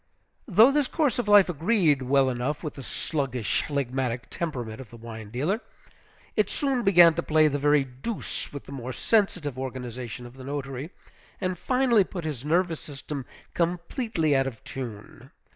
Though this course of life agreed well enough with the sluggish, phlegmatic temperament of the wine dealer, it soon began to play the very deuse with the more sensitive organization of the notary, and finally put his nervous system completely out of tune.